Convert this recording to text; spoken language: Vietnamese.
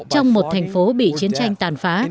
trong một thành phố bị chiến tranh tàn phá